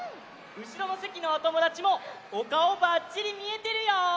うしろのせきのおともだちもおかおバッチリみえてるよ！